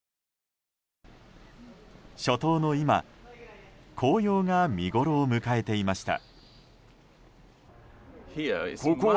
初冬の今紅葉が見ごろを迎えていました。